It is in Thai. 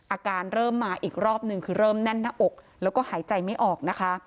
อาการเริ่มมาอีกรอบนึงคือเริ่มแน่นหน้าอกแล้วก็หายใจไม่ออกนะคะ